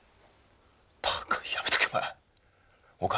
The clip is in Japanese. バカやめとけお前。